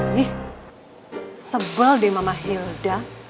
ini sebel deh mama hilda